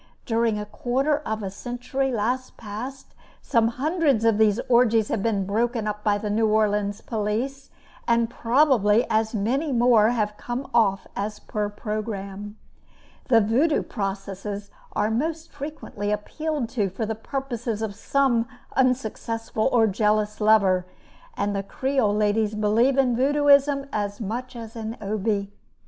During a quarter of a century last past, some hundreds of these orgies have been broken up by the New Orleans police, and probably as many more have come off as per programme. The Vaudoux processes are most frequently appealed to for the purposes of some unsuccessful or jealous lover; and the Creole ladies believe in Vaudouxism as much as in Obi.